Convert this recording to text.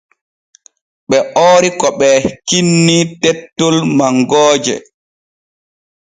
Ɓe oori ko ɓee kinni tettol mangooje.